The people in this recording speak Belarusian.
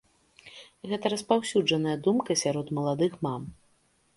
Гэта распаўсюджаная думка сярод маладых мам.